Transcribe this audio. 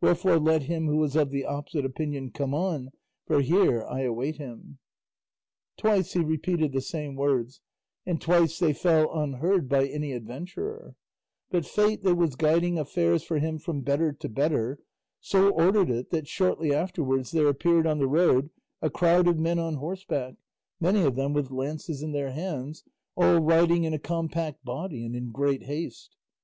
Wherefore, let him who is of the opposite opinion come on, for here I await him." Twice he repeated the same words, and twice they fell unheard by any adventurer; but fate, that was guiding affairs for him from better to better, so ordered it that shortly afterwards there appeared on the road a crowd of men on horseback, many of them with lances in their hands, all riding in a compact body and in great haste.